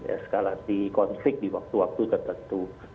eskalasi konflik di waktu waktu tertentu